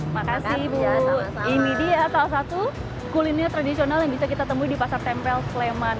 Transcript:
makasih bu ini dia salah satu kuliner tradisional yang bisa kita temui di pasar tempel sleman